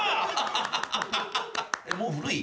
もう古い？